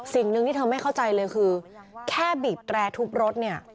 สิ่งหนึ่งที่เธอไม่เข้าใจเลยคือแค่บีบแตรทุบรถเนี่ย